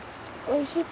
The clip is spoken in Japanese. おいしい？